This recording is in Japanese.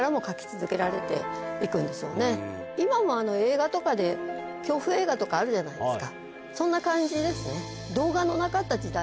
今も映画とかで恐怖映画とかあるじゃないですか。